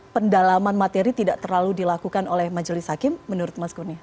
pendalaman materi tidak terlalu dilakukan oleh majelis hakim menurut mas kuni